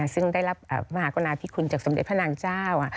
ซึ่งได้รับมหากรุณาธิคุณจากสมเด็จพระนางเจ้า